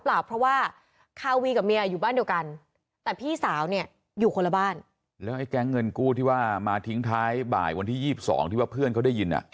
แล้วไอ้แกงเงินกู้ที่ว่ามาทิ้งท้ายบ่ายวันที่๒๒ที่ว่าเพื่อนเขาได้ยิน